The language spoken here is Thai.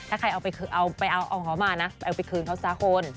ถ้าใครเอาไปเอาเขามานะไปเอาไปคืนเขาซะคน